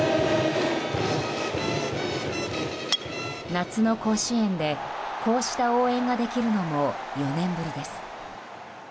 夏の甲子園でこうした応援ができるのも４年ぶりです。